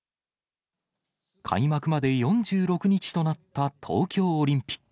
開幕まで４６日となった東京オリンピック。